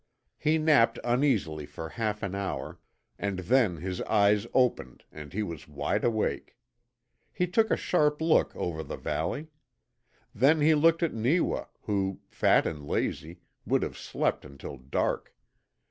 He napped uneasily for half an hour, and then his eyes opened and he was wide awake. He took a sharp look over the valley. Then he looked at Neewa, who, fat and lazy, would have slept until dark.